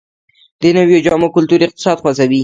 د نویو جامو کلتور اقتصاد خوځوي